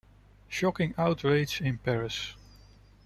Shocking outrage in Paris.